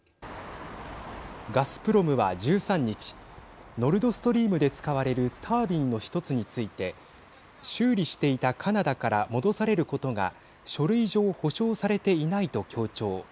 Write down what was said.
ガスプロムは１３日ノルドストリームで使われるタービンの１つについて修理していたカナダから戻されることが書類上保証されていないと強調。